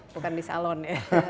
bukan di salon ya